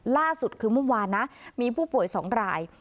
ล่าสุดคือเมื่อวานนะมีผู้ป่วย๒ราย